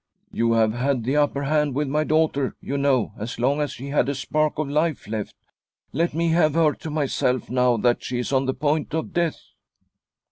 " You have had the upper hand with my daughter, you know, as long as she had a spark of life left. Let me have her to myself now that she is on the point of death."